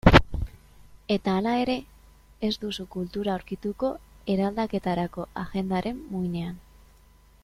Eta hala ere, ez duzu kultura aurkituko eraldaketarako agendaren muinean.